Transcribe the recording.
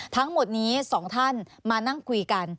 ทั้งหมดนี้๒ท่านมานั่งคุยกัน